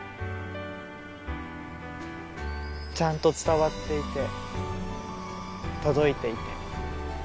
ちゃんと伝わっていて届いていてよかったです。